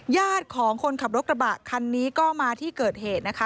ญาติของคนขับรถกระบะคันนี้ก็มาที่เกิดเหตุนะคะ